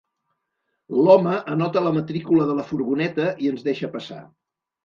L'home anota la matrícula de la furgoneta i ens deixa passar.